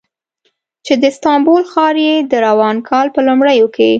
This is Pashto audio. چې د استانبول ښار یې د روان کال په لومړیو کې